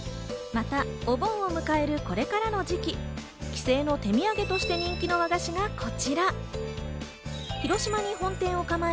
またお盆を迎えるこれからの時期、帰省の手土産として人気の和菓子がこちら。